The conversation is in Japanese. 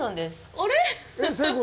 あれ？